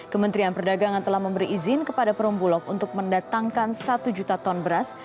kementerian perdagangan telah memberi izin kepada perumbulok untuk mendatangkan satu juta ton beras